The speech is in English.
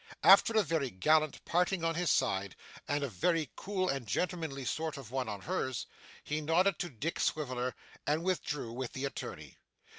After a very gallant parting on his side, and a very cool and gentlemanly sort of one on hers, he nodded to Dick Swiveller, and withdrew with the attorney.